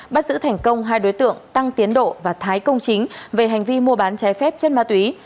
bắt giữ thành công hai đối tượng tăng tiến độ và thái công chính về hành vi mua bán trái phép chất ma túy